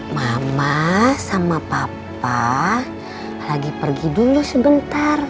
mama sama papa lagi pergi dulu sebentar